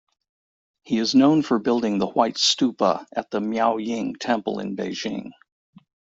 He is known for building the white stupa at the Miaoying Temple in Beijing.